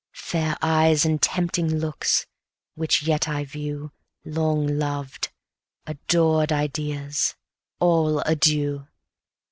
Fair eyes, and tempting looks (which yet I view) Long loved, adored ideas, all adieu!